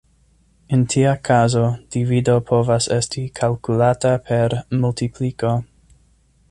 En tia kazo, divido povas esti kalkulata per multipliko.